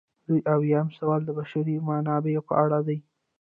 دوه اویایم سوال د بشري منابعو په اړه دی.